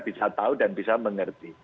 sehingga kita bisa tahu dan bisa mengerti